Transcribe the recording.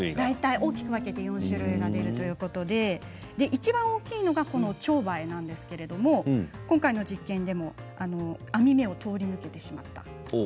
大きく分けてこの４種類が出るということですが、いちばん大きいのがチョウバエですが今回の実験では網目を通り抜けてしまった。